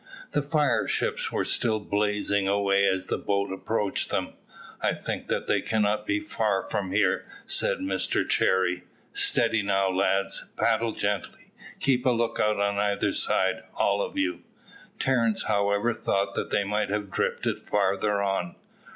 The fire ships were still blazing away as the boat approached them. "I think that they cannot be far from here," said Mr Cherry. "Steady now, lads; paddle gently; keep a look out on either side, all of you." Terence however thought that they might have drifted farther on.